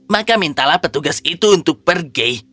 maka mintalah petugas itu untuk pergi